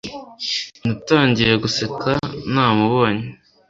Natangiye guseka namubonye